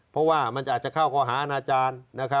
เพราะว่ามันอาจจะเข้าข้อหาอาณาจารย์